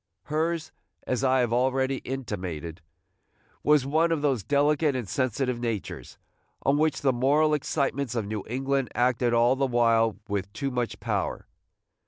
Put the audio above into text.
Hers, as I have already intimated, was one of those delicate and sensitive natures, on which the moral excitements of New England acted all the while with too much power.